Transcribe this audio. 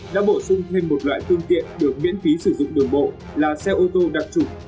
đã bổ sung thêm một loại phương tiện được miễn phí sử dụng đường bộ là xe ô tô đặc trụ